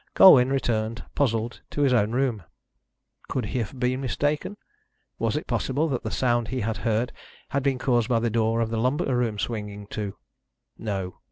Colwyn returned, puzzled, to his own room. Could he have been mistaken? Was it possible that the sound he had heard had been caused by the door of the lumber room swinging to? No!